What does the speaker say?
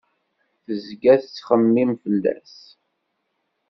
Tezga tettxemmim fell-as.